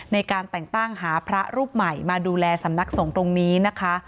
ในการแต่งตั้งหาพระรูปใหม่มาดูแลสำนักสงฆ์ตรงนี้นะคะ